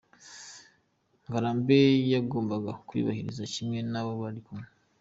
Ngarambe yagombaga kuyubahiriza kimwe n’abo bari kumwe.